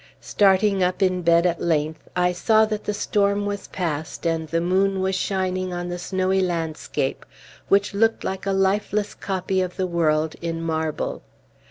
Starting up in bed at length, I saw that the storm was past, and the moon was shining on the snowy landscape, which looked like a lifeless copy of the world in marble.